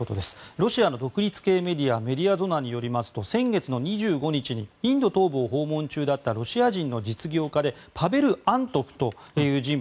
ロシアの独立系メディアのメディアゾナによりますと先月２５日にインド東部を訪問中だったロシア人の実業家でパベル・アントフという人物。